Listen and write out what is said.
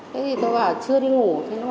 thế thì tôi bảo chưa đi ngủ